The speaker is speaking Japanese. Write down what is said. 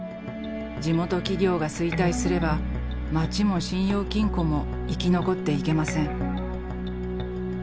地元企業が衰退すれば町も信用金庫も生き残っていけません。